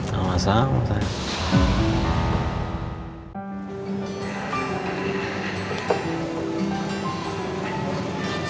gak masalah gak masalah